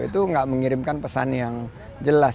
itu tidak mengirimkan pesan yang jelas